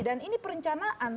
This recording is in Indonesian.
dan ini perencanaan